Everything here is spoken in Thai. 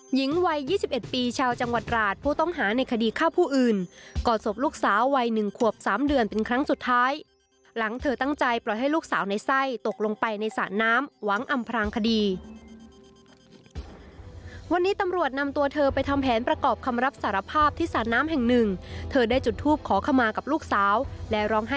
หญิงวัย๒๑ปีชาวจังหวัดราชผู้ต้องหาในคดีฆ่าผู้อื่นก่อศพลูกสาววัยหนึ่งขวบสามเดือนเป็นครั้งสุดท้ายหลังเธอตั้งใจปล่อยให้ลูกสาวในไส้ตกลงไปในสระน้ำหวังอำพรางคดีวันนี้ตำรวจนำตัวเธอไปทำแผนประกอบคำรับสารภาพที่สระน้ำแห่งหนึ่งเธอได้จุดทูปขอขมากับลูกสาวและร้องไห้